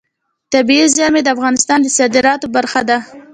طبیعي زیرمې د افغانستان د صادراتو برخه ده.